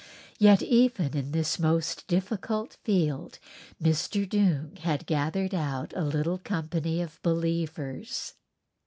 Yet even in this most difficult field Mr. Doong had gathered out a little company of believers.